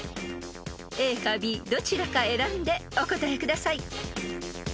［ＡかＢどちらか選んでお答えください］